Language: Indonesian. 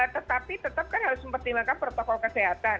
tetapi tetap kan harus mempertimbangkan protokol kesehatan